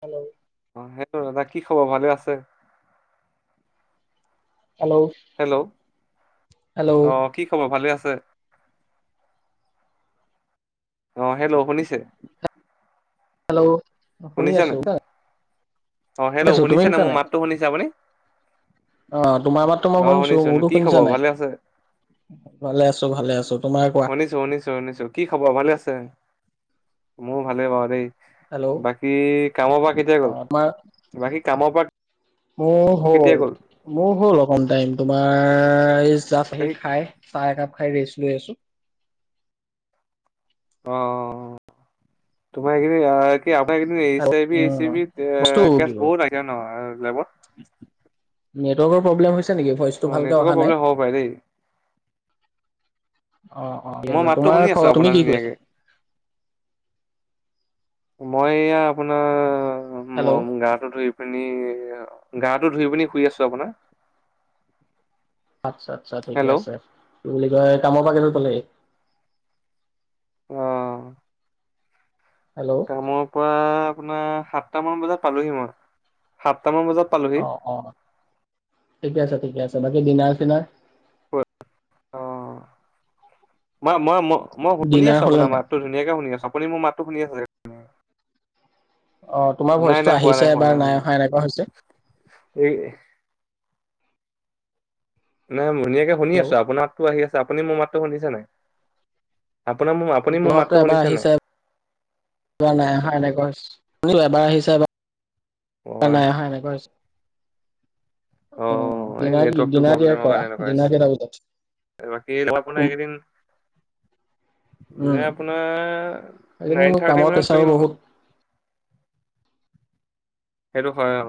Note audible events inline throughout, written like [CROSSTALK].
Hello. অ', hello দাদা কি খবৰ ভালে আছে? হেল্ল' হেল্ল', হেল্ল' অ', কি খবৰ ভালে আছে? অ', হেল্ল' শুনিছে? হেল্ল' শুনি শুনিছে আছো। নে? অ', শুনি হেল্ল' শুনিছে নে মোৰ মাতটো শুনিছে আপুনি? আহ তোমাৰ মাততো মই অ শুনিছো, মোৰতো কি শুনিছা খবৰ নাই? ভালে আছে? ভালে আছো ভালে আছো, তোমাৰ? কোৱা শুনিছো শুনিছো শুনিছো। কি খবৰ ভালে আছে? মোৰ ভালে বাৰু দেই। হেল্ল' অ বাকী কামৰ পৰা কেতিয়া গ'ল? তোমাৰ বাকী কামৰ পৰা মোৰ কেতিয়া হ'ল গ'ল? মোৰ হ'ল অকন টাইম, তোমাৰ জাষ্ট আহি বাকী খাই চাহ একাপ খাই ৰেষ্ট লৈ আছো। অ', তোমাৰ কি এইকেইদিন এইচ আই ভি উম এইচি ভি বস্তু কি কেছ হ'ল? বহুত আহিছে ন', লেবত। নেটৰ্ৱকৰ প্ৰবলেম হৈছে নেকি, অ ভইটো ভালকে নেটৱৰ্কৰ অহা নাই। প্ৰব্লেম হ'ব পাৰে দেই। অ অ মই মাতটো তোমাৰ শুনি আছো খবৰ, তুমি আপোনাৰ কি কৰিছা ধুনীয়াকে। মই এয়া আপোনাৰ হেল্ল' গাটো ধুই আপনি গাটো ধুই পিনি শুই আছো আপোনাৰ। আচ্ছা আচ্ছা ঠিকে হেল্ল' আছে, কি বুলি কয় কামৰ পৰা কেইটাত পালেহি? আহ। হেল্ল' কামৰ পৰা আপোনাৰ সাতটা মান বজাত পালোহি মই সাত অ অ ঠিকে আছে ঠিকে আছে বাকী দিনাৰ চিনাৰ অ মই মই ম মই শুনি ডিনাৰ আছো হ'লে আপোনাৰ নাই মাততো ধুনীয়াকে শুনি আছো আপুনি মোৰ মাততো শুনি আছো অ তোমাৰ নাই ভইচটো নাই হোৱা আহিছে হোৱা বা হোৱা নাই অহা এনেকুৱা হৈছে এই নাই ধুনীয়াকে শুনি আছো হেল্ল' আপোনাৰাতটো আহি আছে আপুনি মোৰ মাতটো শুনিছে নাই আপোনাৰ ম আপুনি মোৰ মাতটো শুনিছে নে? ক নাই অহা, এনেকুৱা হৈছে এবাৰ আহিছে এবাৰ অ নাই অহা এনেকুৱা হৈছে। অ', এই ডিনাৰ কি নেটৱৰ্কটো ডিনাৰ কেতিয়া প্ৰব্লেমৰ কৰা কাৰণে এনেকুৱা ডিনাৰ কেইটা বজাত হৈছে। বাকী মই তুম আপোনাৰ এইকেইদিন উম দিনে আপোনাৰ আজিকালি মোৰ নাইন কামৰ থাৰ্টি মানত প্ৰেছাৰো কৰিম আৰু বহুত সেইটো হয় অ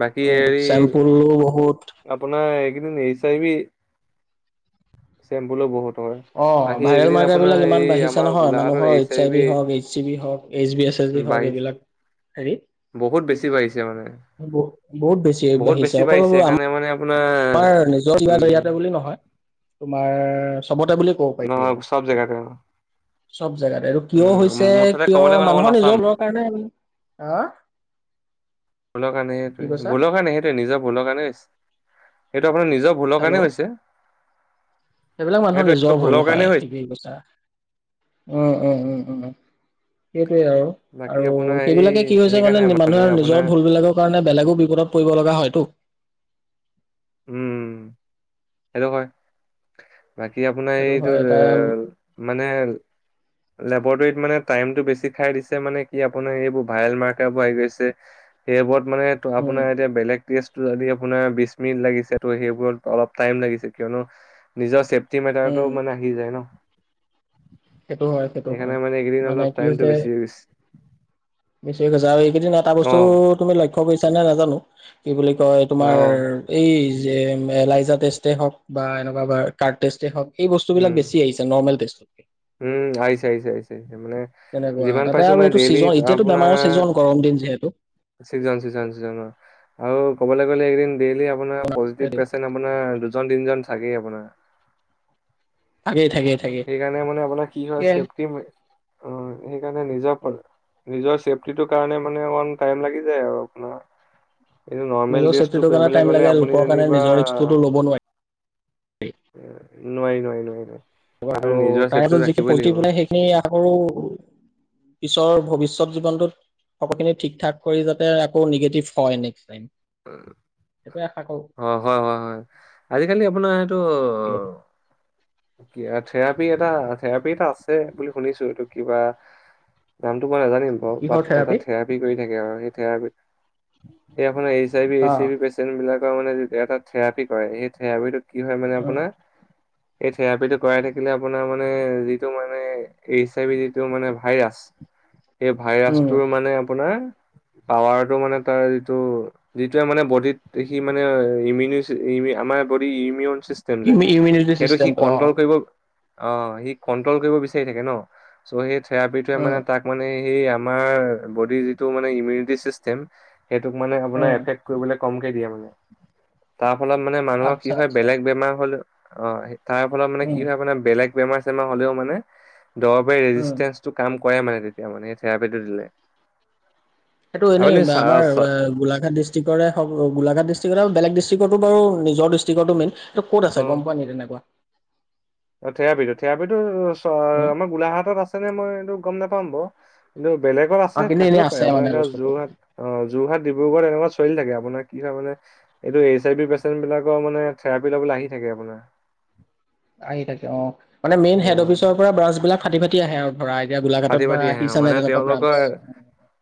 বাকী উম, হৰি চেম্পুলো বহুত আপোনাৰ এইকেইদিন নি চাৰিবি চেম্বুলো বহুত হয়। অ বাকী ভাইৰেল এইকেইদিন মাৰ্গাৰ আপোনাৰ বিলাক এই ইমান বাঢ়িছে আমাৰ নহয় গোলাঘাটত মানুহৰ এৰি এইচ চাৰি আই বি হওক এইচ চি বি হওক এইচ বি এছ হওক বাঢ়িছে এইবিলাক বহুত বেছি বাঢ়িছে মানে হেৰিত ব বহুত বেছি বহুত বেছি বাঢ়িছে অকলবোৰ আমাৰ সেইকাৰণে মানে আপোনাৰ তোমাৰ নিজৰ লৰা উম বৰিয়াতে বুলি নহয় তোমাৰ চবতে বুলি ক'ব পাৰি নহয় চব জাগাতে চব জেগাতে আৰু কিয় হৈছে কিয় ক'বলৈ গ'লে অল মানুহৰ আছাম নিজৰৰ কাৰণে আ হ ভুলৰ কাৰণে সেইটোৱে কৈছা ভুলৰ কাৰণে সেইটোৱে নিজৰ ভুলৰ কাৰণে সেইটো আপোনাৰ নিজৰ ভুলৰ হেল্ল' কাৰণে হৈছে সেইবিলাক মানুহৰ সেইটো নিজৰ ভুল ভুলৰ কাৰণে হয় হৈছে ঠিকেই কৈছা উম উম উম উম স সয়েই বাকী আৰু আপোনাৰ এই সেইবিলাকে কি হৈছে সেইকাৰণে মানে মানুহে নিজৰ আপোনাৰ ভুল বিলাকৰ কাৰণে বেলেগো বিপদত পৰিব লগা হয় কুটো উম হেল্ল' হয় বাকী আপোনাৰ সেইটো এইটো হয় তাৰ মানে লেবৰেটৰীত মানে টাইমতটো বেছি খাই দিছে মানে কি আপোনাৰ এইবোৰ ভাইল মাৰ্কবোৰ আহি গৈছে সেইবোৰত মানে ত উম আপোনাৰ এতিয়া বেলেগ যদি আপোনাৰ বিশ মিনিট লাগিছে ত' সেইবোৰত অলপ টাইম লাগিছে কিয়নো নিজৰ টিম উম এটাৰটো মানে আহি যায় ন সেইটো হয় সেইটো সেইকাৰণে হয় এইকেইদিন মানে অলপ কি টাইমটো হৈছে বেছি হৈ গৈছে বেছিক কৈছ আৰু এইকেইদিন এটা অ বস্তু তুমি লক্ষ্য কৰিছা নে নাজানো কি বুলি কয় অ তোমাৰ এই যে এলাইজা টেষ্টে হওক বা এনেকুৱা কাৰ্ট টেষ্টে হওক এই উম বস্তুবিলাক বেছি আহিছে নৰ্মেল টেষ্ট উম আহিছে আহিছে আহছে মানে তেনেকুৱা যিমান তাতে পাইছো আৰু মানে এইটো ছিজন ডেইলিত এতিয়াতো আপোনাৰ বেমাৰৰ ছিজন গৰম দিন যিহেতু চিকজন শিজন চিজন আৰু ক'বলৈ গ'লে একদিন ডেইলি আপোনাৰ পজিটিভ হেৰি পেচেণ্ট আপোনাৰ দুজন তিনিজন থাকেই আপোনাৰ থাকেই থাকেই থাকেই সেইকাৰণে মানে আপোনাৰ কি হয় সেয়াই চেফটি অ সেইকাৰণে নিজৰ নিজৰ চেফটিটোৰ কাৰণে মানে অকমান টাইম লাগি যায় আৰু আপোনাৰ এই নৰ্মেল নিজৰ ড্ৰেছটো চেফটিটোৰ কাৰণে কৰিবলে টাইম লাগে গলে আপুনি লোকৰ কাৰণে যেনিবা নিজৰ ৰিক্সটোতো ল'ব নোৱাৰি নোৱাই নোৱাই নোৱাই নোৱাই আৰু তাৰত যি পলট্ৰি বনাই সেইখিনি আকৌ পিছৰ ভৱিষ্যত জীৱনটোত সকলখিনি ঠিক ঠাক কৰি যাতে আকৌ নিগেটিভ হয় নেক্স টাইম উম সেইটোৱে আশা কৰো অ হয় হয় হয় আজিকালি আপোনাৰ এইটো থেৰাপি এটা থেৰাপি এটা আছে বুলি শুনিছো এইটো কিবা নামটো নাজানিম বাৰ ব এটা থেৰাপি কৰি থাকে আৰু সেই থেৰা স এ আই বি এ অ চি বি পেচেণ্ট বিলাকৰ মানে এটা থেৰাপি কৰে সেই থেৰাপিটোত কি হয় মানে আপোনাৰ এই থেৰাপি কৰাই থে আপোনাৰ মানে যিটো মানে যি ভ এইেই উম ভাইৰাছটোৰ মানে আপোনাৰ পাৱাৰটো মানে তাৰ যিটো যিটোৱে মানে বডিত সি মানে ইমিউনি আমাৰ বডি ইমিউন ইমি ইমিউনিটি সেইটো সি চিষ্টেমটো অ ক্ৰল কৰিব অ সি কণ্ট্ৰল কৰিব বিচাৰি থাকে ন চ' সেই থেৰাপি টোৱে মানে উম তাক মানে এই আমাৰ বডিৰ যিটো মানে ইমিউনিটি চিষ্টেম সেইটোক মানে আপোনাৰ উম কৰিব কমকে দিয়ে মানে তাৰ ফলত মানে মানুহৰ আচ্ছা কি হয় আচ্ছা বেলেগ বেমাৰ হলে অ তাৰ ফলত মানে উম কি হয় আে বেলেগ বেমাৰ চেমাৰ হলেও মানে দৰ উম কৰে মানে তেতিয়া মানে থেৰাপিটো দিলে এইেইটো এনেই আপুনি চা আমাৰ চা গোলাঘাট ডিষ্ট্ৰিক্ গোলাঘাট ডিষ্ট্ৰিকট বেলেগ ডিষ্ট্ৰিকতো বাৰু নিজৰ ডিষ্ট্ৰিকতো মেইন এইটো ক'ত আছে গম পোৱা নে তেনেকুৱা অ থেয়াবি টো থঠোবটো উম, আমাৰ গোলাঘাটত আছেনেে মই এইটো গম নাপাম ব কি বেলেগত অ আছে কিন্তু এনেই থাকিব আছে পাৰে মানে আপোনাৰ এতিয়া বস্তুটো যোৰহাট অ যোৰহাট ডিব্ৰুগড় এনেকুৱা চলি থাকে আপোনাৰ কি হয় মানে এইটো এইচ আই বি পেচন্ট বিলাকৰ মানে থেৰাপি লবলৈ আহি থাকে আপোনাৰ উ আহি থাকে অ মানে মেইন হেড অফিচৰ পৰা ব্ৰাছ বিলাক ফাটি ফাটি আহে আৰু ধৰা এতিয়া গোলাঘাটত ফাটি বা পতিি আহে অ আহিছে নাই মানে তেনেকুৱা ব্ৰাঞ্চ তেওঁলোকৰ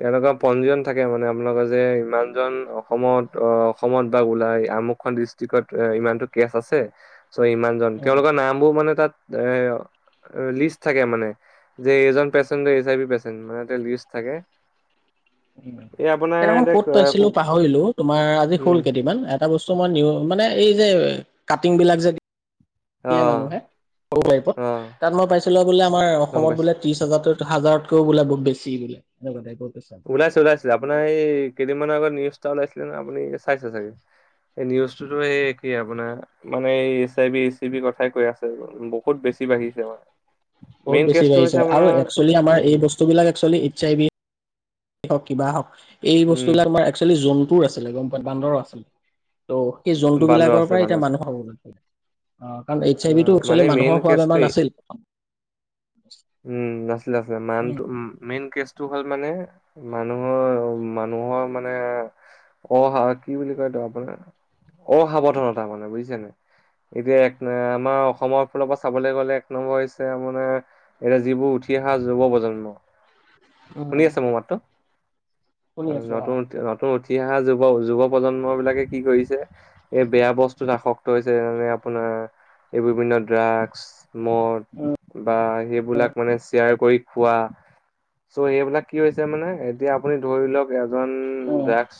তেওঁলোকৰ পঞ্জীয়ন থাকে মানে লগে যে ইমানজন অসমত অসমত বা ওলাই আমুকখন ডিষ্ট্ৰিক্ত ইমান গছ আছে চ ইমান জন উম, তেওঁলোকৰ নাম বোৰ মানে তাত এ লিষ্ট থাকে মানে যে এজন patient H I B patient মানে লিষ্ট থাকে এই আপোনাৰ কেইদিখন ক'ত এতিয়া পাইছিলো পাহৰিলো তুমাৰ আজি উম হল কেইদিনান এটা বস্তু ই নি মানে এই যে কাটিং বিলাক যে অ মানুহে সৰুত অ তাত মই পাইছিলো বোলে আমাৰ গম অসমত পাইছো বোলে ত্ৰিশ হাজাৰ হাজাৰতকও বলে বহুত বেছি বলে ওলাইছে ওলাইছিলে আপোনাৰ এই কেইদিনমানৰ আগত নিউজটা ওলাইছিলে ন আপুনি চাইছে চাগে নিউজ টোতো সেই একেই আপোনাৰ মানে এই S I B A C B কথাই কৈ আছে বহুত বেছি বাঢ়িছে আ বহুত বেছি বাঢ়িছে আৰু একচুৱেলি আমাৰ উম এই বস্তুবিলাক একচুৱেলি এইচ আই ভি হওক কিবা হওক এই উম বস্তুবিলাক আমাৰ একচুৱেলি জন্তুৰ আছিলে গম পায় বান্দৰৰ আছিলে ত' সেই জন্তু বান্দৰ বিলাকৰ আছিলে পৰাই বান্দৰ এতিয়া মানুহ হব অ কাৰণ এইচ আই আছিলে ভ টো অ মানে একচুৱেলি মেইন মানুহৰ হোৱা বেমাৰ কেচটোৱে নাছিল উম নছিলে আছিলে মান উ মেইন ভাল মানে মানুহৰ মানুহৰ মানে অহা কি বুলি কো আপোনাৰ অসাৱধানতা মানে বুজিছে নে এতিয়া এক আমাৰ অসমৰ ফালৰ পৰা চাবলৈ গলে এক নম্বৰ হৈছে মানে এতিয়া যিবোৰ উঠি অহা যুৱ প্ৰজন্ম শুনি উম আছে মোৰ মাতো শুনি আছো নতুন অ নতুন উ উঠি অহা যুৱ যুৱ প্ৰজন্ম বিলাকে কি কৰিছে এই বেয়া বস্তুত আসক্ত হৈছে যেনে আপোনাৰ এই বিভিন্ন ড্ৰাগছ মদ বা সেই বিলাক মানে শ্বেয়াৰ কৰি খোৱা চ' সেইবিলাক কি হৈছে মানে এতিয়া আপুনি ধৰি লওক এজন ড্ৰাগছ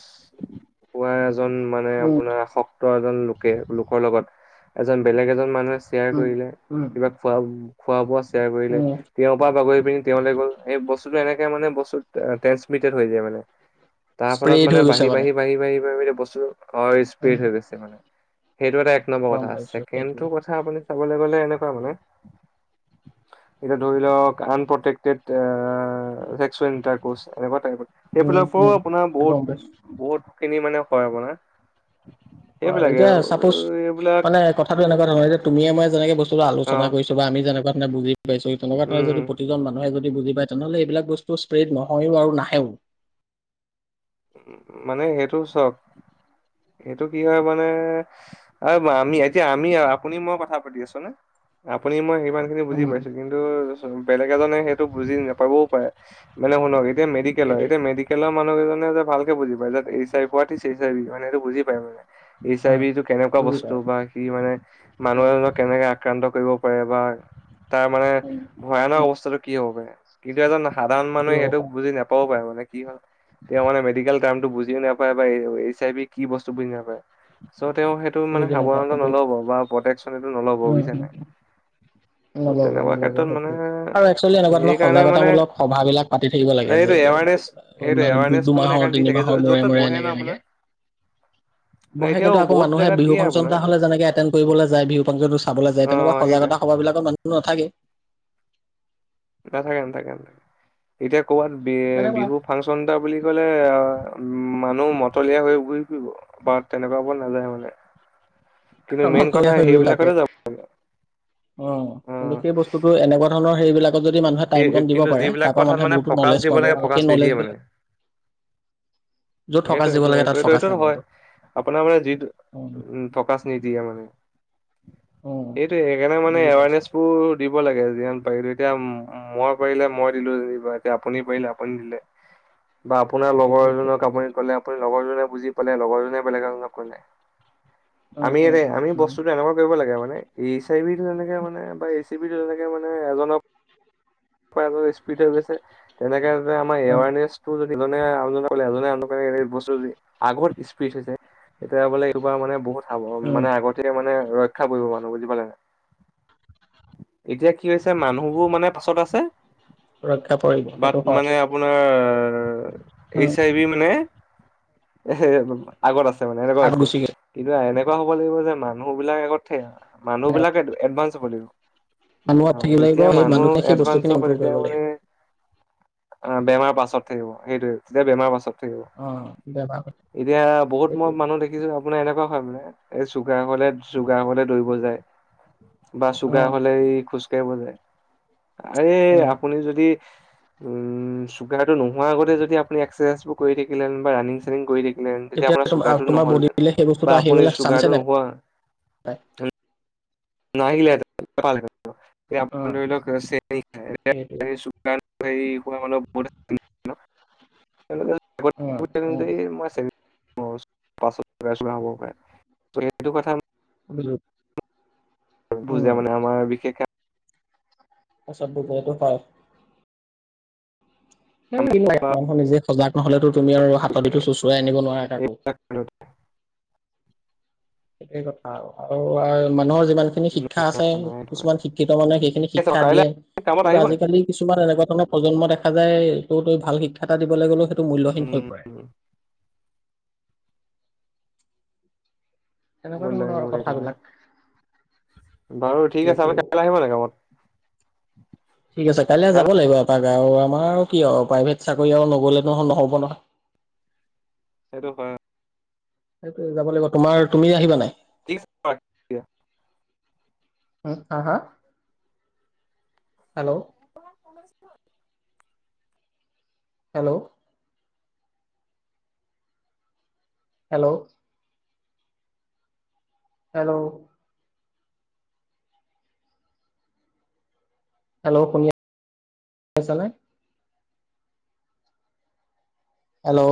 খোৱা এজন মানে উম উম আপোনাৰ আসক্ত এজন লোকে লোকৰ লগত এজন বেলেগ এজন মানুহে শ্বেয়াৰ উম কৰিলে উম কিবা খোৱা খোৱা বোৱা শ্বেয়াৰ কৰিলে উম তেওঁৰ পৰা বাগৰি পিনি তেওঁ গ'ল সেই বস্তুটো এনেকে মানে বস্তুত ট্ৰেঞ্চমিটেড হৈ যায় মানে তাৰ ফলত স্প্ৰেড মানে হৈ গৈছে বাঢ়ি বাঢ়ি বাঢ়ি বাঢ়ি বাঢ়ি বস্তুটো স্পীড হৈ গৈছে মানে সেইটো এটা এক নম্বৰ গম কথা পাইছো ছেকেণ্ডটো সেইটোৱে কথা আপুনি চাবলৈ গলে কেনেকুৱা মানে এতিয়া ধৰি লওক আনপটেকটেড ভেকচুৱেল এটা ক্ৰচ এৰিব পাৰিব নেকি উম উম সেইবিলাকৰো আপোনাৰ গম বহুত পাইছো বহুত খিনি মানে হয় আপোনাৰ হয় সেইবিলাকে এতিয়া আৰু চাপোজ এইবিলাক মানে কথাটো এনেকুৱা ধৰণৰ এতিয়া তুমিয়ে মই যেনেকে বস্তু আলোচনা অ' কৰিছো আমি যেনেকুৱ ধৰনে বুজি পাইছো তেনেকুৱা ধৰনে উম। যদি প্ৰতিজন মানুহে যদি বুজি তেনেহ'লে এইবিলাক বস্তু স্প্ৰেড নহয়ও আৰু নাহেও উ মানে সেইটো চাওঁক এইটো কি হয় মানে আৰু আমি এতিয়া আমি আপুনি মই কথা পাতি আছো হৈয়নে আপুনি মই হেই ইমান খিনি বুজি উম। পাইছে কিন্তু বেলেগ এজনে সেইটো বুজি নেপাবও পাৰে মানে শুনক এতি মেডিকেল হয় সেইটোৱে এতিয়া মেডিকেলৰ মানুহ কেইজনে যে ভালকে বুজি পায় যাতে এইচ আই ভি হোৱাত ইছ এইচ আই ভি মানে হেইটো বুজি পায় মানে এইচ আই উম ভি টো কেনেকুৱা বুজি বস্তু পায় বা সি মানে মানুহ এজনক কেনেকে আক্ৰান্ত কৰিব বা তাৰ মানে ভয়ানক অৱস্থাতটো কি হব কিন্তু এজন সাধাৰণ কি মানুহে সেইটো কথা বুজি নাপাবও পাৰে মানে কি হল তেওঁ মানে লিগেল টাৰ্ম টো বুজিও নাপায় বা এইচ আই ভি কি বস্তু বুজি নাপায় ত তেওঁ সেইটো মানে বুজি নাপায় সাৱধানতা সেইটো নলব বা প্ৰটেকচন হেইটো নলব উম বুজিছে নে নাই ত নল'ব তেনেকুৱা নল'ব ক্ষেত্ৰত মানে সেইটোৱে। আৰু একচুৱেলি এনেকুৱা সেই ধৰণৰ কাৰণে মানে সজাগতামূলক সভাবিলাক পাতি থাকিব লাগে এই এইটো যে এৱাৰনেছটো টো এইটো এৱাৰনেছটো মানে দুমাহৰ সণ দি থাকে তিনিমাহৰ য'ত মূৰে তত মূৰে বহে এনেকে ন এনেকে আপোনাৰ ন বহে কিন্তু এতিয়াও আকৌ বহুত মুে জেগাত বিহু দিয়ে ফাংচন এটা আপোনাৰ হ'লে যেনেক এটেন্ড কৰিবলৈ যায় বিহু ফাংচনটো চাবলৈ যায় অ তেনেকুৱা সেইটোৱে সজাগত বিলাকৰ মানুহ টো নাথাকেই নাথাকে নাথাকে এতিয়া ক'ৰবাত বি তেনেকুৱা বিহু ফাংচন এটা বুলি ক'লে উ মানুহ মতলীয়া হৈ ঘূৰি ফুৰিব বা তেনেকুৱাবোৰত নাযায় মানে কিন্তু অ মেইন কথা মতলীয়া হয় তাকে সেইবিলাকতে যাব অ কিন্তু সেই বস্তুতো এনেকুৱা ধৰণৰ হেৰিবিলাক যদি মানুহে সেই টাইম ক দিব কিন্তু পাৰে যিবিলাক তাৰ পৰা কথাত মানুহে মানে বহুতো ফকাচ নলেজ দিব পাব লাগে আৰু ফকাচ সেই নিদিয়ে মানে নলেজবিলাক য'ত সেইটো ফকাচ দিব এইটো লাগে এইটো তাত এইটো ফকাচ এইটোতো নিদিয়ে হয় আৰু সেইটো আপোনাৰ মানে যিটো উম ফকাচ নিদিয়ে মানে সেইটো সেইকাৰণে মানে বুজি পাইছো এৱাৰনেচ বোৰ দিব লাগে যিমান পাৰিলো এতিয়া মই পাৰিলে মই দিলো এতিয়া আপুনি পাৰিলে আপুনি দিলে বা আপোনাৰ সেইটোৱে লগৰজনক সেইটোৱে আপুনি কলে আপুনি লগৰজনে বুজি পালে লগৰজনে বেলেগ এজনক কলে উম আমি উম উম আমি উম বস্তুতটো এনেকুৱা কৰিব লাগে মানে এইচ আই বি তেনেকে মানে বা এ চ তেকে মানে এজনৰ এ স্পীড হৈ গৈছে তেনেকে আমাৰ উম এনেলে এনে বস্তু আগ স্পী হৈছে এতিয়া বোলে এইবাৰ মানে বহুত হ উম মানে আগতে মানে ৰক্ষা পৰিব মানুহ বুজি পালে ন এতিয়া কি হৈছে মানুহ মোৰবোৰ মানে পাছত আছে ৰক্ষা পৰিব সেইটো বাট হয় মানে আপোনাৰ উম এইচ আই বি মানে এ আগত আছে মানে এনেকুৱা আগ হৈছে গুচি কিন্তু এনে এনেকুৱা হ'ব লাগিব যে মানুহ বিলাক আগত মানুহ গ'ল বিলাক এডভানঞ্চ হব লাগিব মানুহত অ' থাকিব লাগিব যেতিয়া সেই মানুহ মানুহখিনে সেই এডভান্স বস্তুখিনি হ'ব অন্তৰ তেতিয়া কৰিব মানে লাগিব অ বেমাৰ পাছত থাকিব সেইটোয়ে তেতিয়া বেমাৰ পাছত অ বেমাৰ এতিয়া বহুত সেইটো মই মানুহ দেখিছো আপোনাৰ এনেকুৱা হয় মানে এই চুগাৰ হলে চুগাৰ হলে দৌৰিব যায় বা অ চুগাৰ হলে ই খোজ় তে বজায় আৰে উম। আপুনি যদি উম চুগাৰ টো নোহোৱাৰ আগতে যদি আপুনি এক্সাৰচাইজ বোৰ কৰি থাকিলে বা ৰানিং চানিং কৰি থাকিল ন তেতিয়া আপোনাৰ তোম চুগাৰটো তোমাৰ নহল হেতেন বডিলে বা আপুনি চুগাৰটো নোহোৱা হয় নাহিলে হেতেন তেতিয়া আপুনি উম, ধৰি লওক [UNINTELLIGIBLE] [UNINTELLIGIBLE] সেইটোৱে। উম, উম, পা চ হব পাৰে ত সেইটো কথা [UNINTELLIGIBLE] উম। বুজা মানে আমাৰ বিশেষক অছব ব বহতফাৰ মানুহ নিজে সজাগ নহলেতো তুমি আৰু হাততো চোঁচৰাই আনিব নোৱাৰা কাকো [INAUDIBLE] সেটোৱে কথা অ আৰু মানুহৰ যিমান খিনি শিক্ষা আছে কিছুমান শিক্ষিত মানুহে সেইখিনি শিক্ষা কাইলে দিয়ে কামত কিন্তু আহিব নাই? আজিকালি কিছুমান এনেকুৱা প্ৰজন্ম দেখা যায় এইটোত ও ভাল শিক্ষা এটা দিবলৈ গ'লেও সেইটো মূল্যহীন হৈ পৰে উম, এনেকুৱা মোৰ লাগে ধৰণৰ আৰু মোৰ লাগে তোমাৰ কথাবিলাক বাৰু ঠিক আছে সেইটোৱে। আপুনি কাইলৈ আহিব নে নাই কামত ঠিক আছে কাইলে কাইলৈ যাব লাগিব এপাক বাৰু আমাৰ আৰু কি আৰু প্ৰাইভেট চাকৰি আৰু নগলে নো নহয় নহ'ব নহয় সেইটো হয় সেইটোৱে যাব লাগিব তোমাৰ তুমি আহিবা নে নাই ঠছে [UNINTELLIGIBLE] উম হা হা hello কমছ [INAUDIBLE] hello hello hello hello শুনিছা নে? হেল্ল'